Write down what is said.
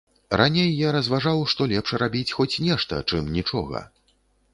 Раней я разважаў, што лепш рабіць хоць нешта, чым нічога.